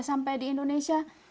sampai di indonesia